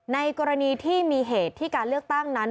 ในกรณีที่มีเหตุที่การเลือกตั้งนั้น